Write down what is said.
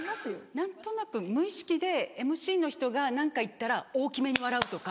何となく無意識でＭＣの人が何か言ったら大きめに笑うとか。